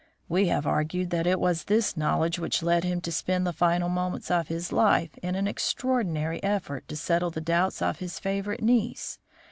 We have argued that it was this knowledge which led him to spend the final moments of his life in an extraordinary effort to settle the doubts of his favourite niece.